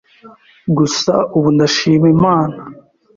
Gusa ubu ndashima Imana